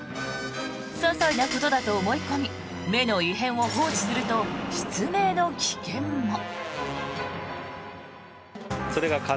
些細なことだと思い込み目の異変を放置すると失明の危険も。